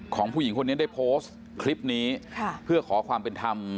คือสิ่งที่เราติดตามคือสิ่งที่เราติดตาม